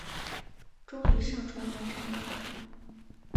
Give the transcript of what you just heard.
终于上传完成了